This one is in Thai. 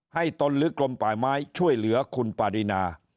ให้ตลลึกกรมป่าไม้ช่วยเหลือคุณปารินา